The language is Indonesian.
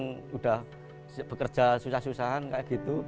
sudah bekerja susah susahan kayak gitu